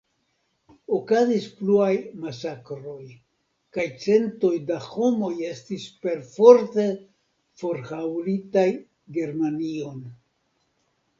Okazis pluaj masakroj kaj centoj da homoj estis perforte forhaŭlitaj Germanion.